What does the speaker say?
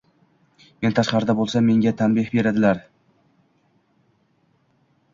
Men tashqarida boʻlsam menga tanbih beradilar